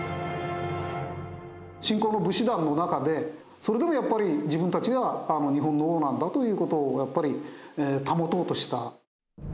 それでもやっぱり自分たちが日本の王なんだという事をやっぱり保とうとした。